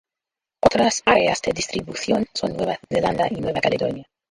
Otras áreas de distribución son Nueva Zelanda y Nueva Caledonia.